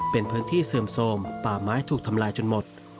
เป็นพื้นที่เสื่อมโทรมป่าไม้ถูกทำลายจนหมด